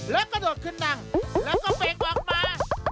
แล้วก็โดดขึ้นหนังแล้วก็เฟ้งออกมา